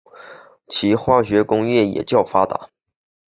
其化学工业也较发达。